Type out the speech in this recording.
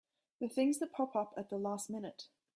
The things that pop up at the last minute!